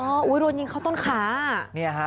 โอ้โหโดนยิงเข้าต้นขา